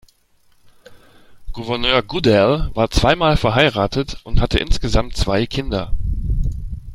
Gouverneur Goodell war zweimal verheiratet und hatte insgesamt zwei Kinder.